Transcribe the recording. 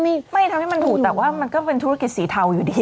ไม่ไม่ทำให้มันถูกแต่ว่ามันก็เป็นธุรกิจสีเทาอยู่ดี